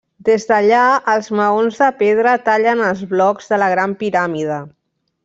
Des d'allà els maons de pedra tallen els blocs de la Gran Piràmide.